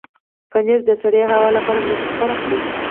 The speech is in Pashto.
پنېر د سړې هوا لپاره مناسب خوراک دی.